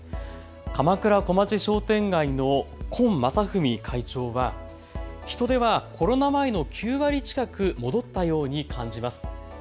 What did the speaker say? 鎌倉小町商店会の今雅史会長は人出はコロナ前の９割近く戻ったように感じます。